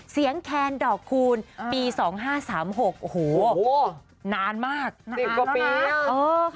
เสียงแคนดอกคูณปีสองห้าสามหกโอ้โหโอ้โหนานมากนานแล้วนะเออค่ะ